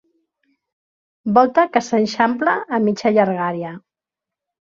Volta que s'eixampla a mitja llargària.